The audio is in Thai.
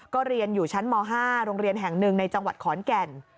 ก็เรียนอยู่ชั้นม๕โรงเรียนแห่งหนึ่งในจังหวัดขอนแก่น